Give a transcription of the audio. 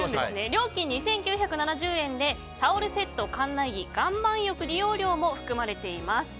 料金２９７０円でタオルセット館内着、岩盤浴利用料も含まれています。